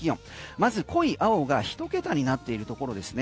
まず濃い青が１桁になっているところですね。